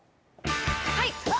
はい！